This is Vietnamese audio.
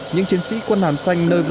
những chiến sĩ quân hàng xanh nơi vùng sâu